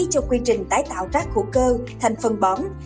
cho quy trình tái tạo rác khủ cơ thành phần bỏng